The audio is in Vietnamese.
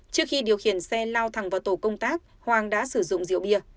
trước khi điều khiển xe lao thẳng vào tổ công tác hoàng đã sử dụng rượu bia